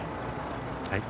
はい。